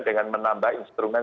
dengan menambah instrumen